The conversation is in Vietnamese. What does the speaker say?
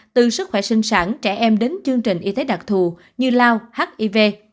từ sức khỏe sinh sản trẻ em đến chương trình y tế đặc thù như lao hiv